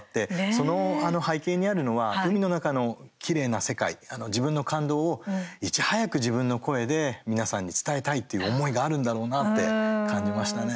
その背景にあるのは海の中のきれいな世界自分の感動をいち早く自分の声で皆さんに伝えたいという思いがあるんだろうなって感じましたね。